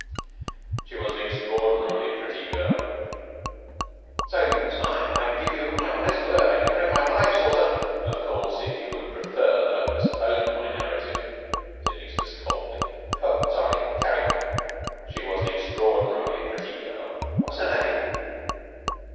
"She was an extraordinarily pretty girl...." "So was mine. I give you my honest word I never in all my life saw such...." "Of course, if you would prefer that I postponed my narrative?" said Eustace coldly. "Oh, sorry! Carry on." "She was an extraordinarily pretty girl...." "What was her name?"